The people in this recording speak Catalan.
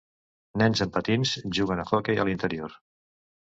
Nens en patins juguen a hoquei a l'interior